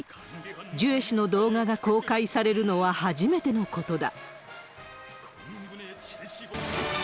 ジュエ氏の動画が公開されるのは初めてのことだ。